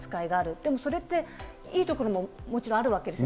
でもそれっていいところももちろんあるわけですよ。